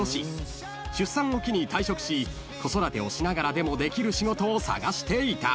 ［出産を機に退職し子育てをしながらでもできる仕事を探していた］